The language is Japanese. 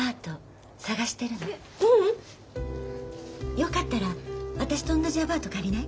よかったら私と同じアパート借りない？